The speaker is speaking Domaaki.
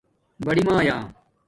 بڑئ مْآیا